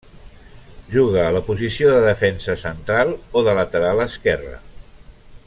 Juga a la posició de defensa central o de lateral esquerre.